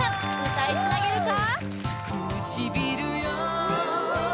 歌いつなげるか？